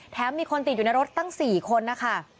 มีคนติดอยู่ในรถตั้ง๔คนนะคะ